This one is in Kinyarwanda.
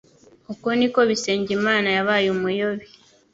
Uko niko Bisengimana yabayeumuyobi